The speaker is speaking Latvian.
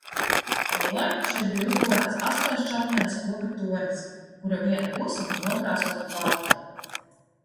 Tolaik šeit bija uzbūvēts astoņšķautnains koka tornis, kura viena puse bija nokrāsota balta.